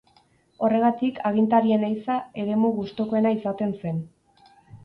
Horregatik agintarien ehiza eremu gustukoena izaten zen.